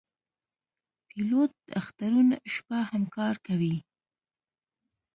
پیلوټ د اخترونو شپه هم کار کوي.